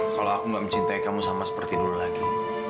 kalau aku nggak mencintai kamu sama seperti dulu lagi